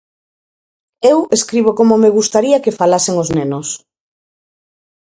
Eu escribo como me gustaría que falasen os nenos.